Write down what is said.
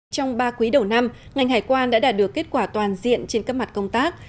trong ba quý đầu năm ngành hải quan đã đạt được kết quả toàn diện trên các mặt công tác